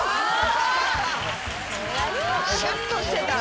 シュッとしてた。